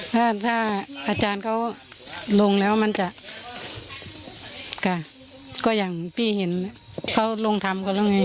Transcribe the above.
ถ้าถ้าอาจารย์เขาลงแล้วมันจะค่ะก็อย่างพี่เห็นเขาลงทำเขาแล้วไง